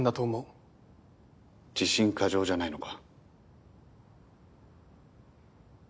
自信過剰じゃないのか？